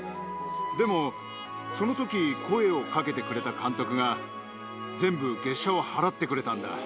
でも、そのとき声をかけてくれた監督が全部、月謝を払ってくれたんだ。